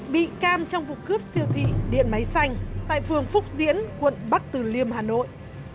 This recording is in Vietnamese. bị can trong vụ cướp siêu thị điện máy xanh tại phường phúc diễn quận bắc từ liêm hà nội